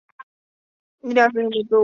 皮洛士还以仁慈着称。